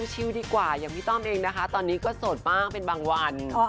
ดีกว่าอย่างพี่ต้อมเองนะคะตอนนี้ก็โสดมากเป็นบางวัน